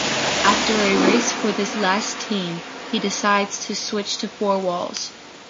After a race for this last team, he decides to switch to four walls.